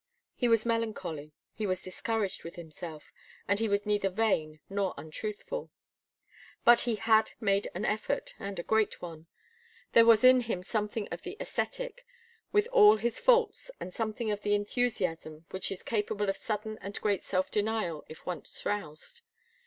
He was melancholy, he was discouraged with himself, and he was neither vain nor untruthful. But he had made an effort, and a great one. There was in him something of the ascetic, with all his faults, and something of the enthusiasm which is capable of sudden and great self denial if once roused.